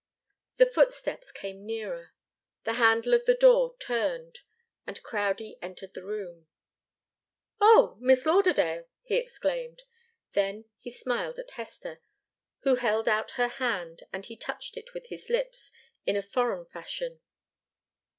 The footsteps came nearer, the handle of the door turned, and Crowdie entered the room. "Oh Miss Lauderdale!" he exclaimed. Then he smiled at Hester, who held out her hand, and he touched it with his lips, in a foreign fashion.